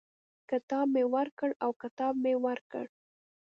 کتاب مي ورکړ او کتاب مې ورکړ.